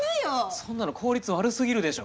そんなの効率悪すぎるでしょ。